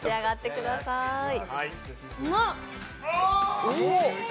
うまっ！